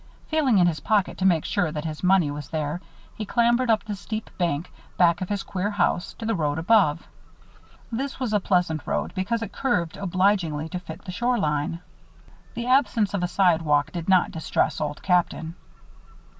Feeling in his pocket to make sure that his money was there, he clambered up the steep bank, back of his queer house, to the road above. This was a pleasant road, because it curved obligingly to fit the shore line. The absence of a sidewalk did not distress Old Captain.